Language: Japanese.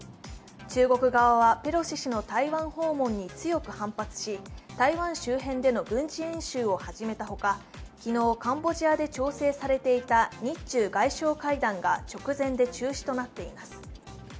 中国側は、ペロシ氏の台湾訪問に強く反発し台湾周辺での軍事演習を始めたほか昨日、カンボジアで調整されていた日中外相会談が直前で中止となっています。